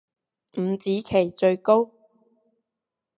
五子棋最高